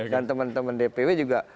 dan teman teman dpw juga